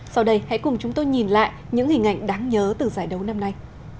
sau đây hãy cùng chúng tôi nhìn lại những hình ảnh đáng nhớ từ giải đấu năm nay